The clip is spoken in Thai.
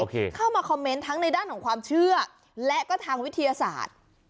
เข้ามาคอมเมนต์ทั้งในด้านของความเชื่อและก็ทางวิทยาศาสตร์